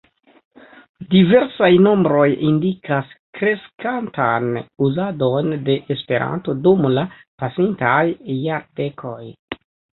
Diversaj nombroj indikas kreskantan uzadon de Esperanto dum la pasintaj jardekoj.